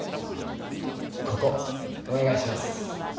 ここお願いします。